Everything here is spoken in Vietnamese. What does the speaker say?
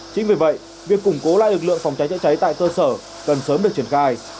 chính vì vậy việc củng cố lại lực lượng phòng cháy chữa cháy tại cơ sở cần sớm được triển khai